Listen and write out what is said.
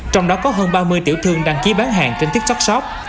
trong đó có hơn ba mươi tiểu thương đăng ký bán hàng trên tiktok shop